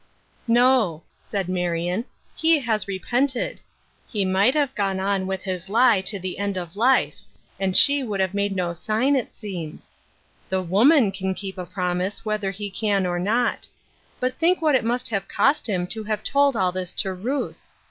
" No," said Marion ;" he has repented. He might have gone on with his lie to the end of 28 B'Uth Ershine's Crosses, life, and she would have made no sign, it seems The woman can keep a promise, whether he car. or not. But think what it must have cost him to have told all this to Ruth